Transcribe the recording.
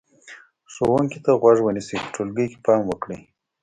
ښوونکي ته غوږ ونیسئ، په ټولګي کې پام وکړئ،